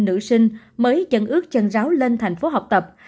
nữ sinh mới chân ước chân ráo lên thành phố học tập